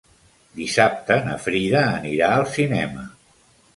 Dissabte na Frida anirà al cinema.